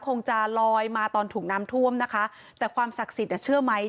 คงจะลอยมาตอนถูกน้ำท่วมนะคะแต่ความศักดิ์สิทธิ์เชื่อไหม